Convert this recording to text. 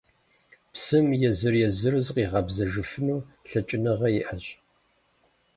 Псым езыр-езыру зигъэкъэбзэжыфыну лъэкӀыныгъэ иӀэщ.